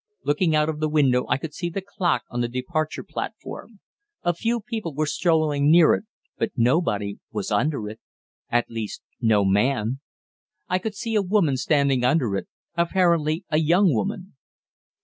Looking out of the window I could see the clock on the departure platform. A few people were strolling near it, but nobody was under it at least no man. I could see a woman standing under it, apparently a young woman.